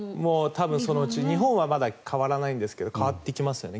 多分そのうち日本はまだ変わらないんですが変わっていきますよね